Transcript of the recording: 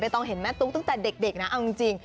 ต้องเห็นแม่ตุ๊กตั้งแต่เด็กนะเอาจริง